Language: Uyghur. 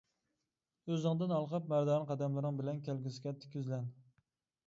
ئۆزۈڭدىن ھالقىپ مەردانە قەدەملىرىڭ بىلەن كەلگۈسىگە تىك يۈزلەن.